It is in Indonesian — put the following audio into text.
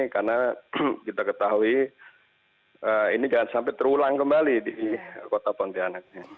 karena kita ketahui ini jangan sampai terulang kembali di kota pontianak